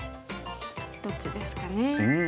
どっちですかね。